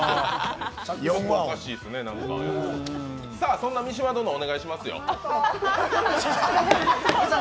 そんな三島殿、お願いしますよ。